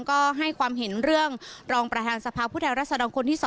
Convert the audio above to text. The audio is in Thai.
ก็ให้ความเห็นเรื่องรองประธานสภาพผู้แทนรัศดรคนที่๒